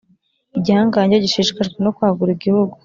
igihangange gishishikajwe no kwagura igihugu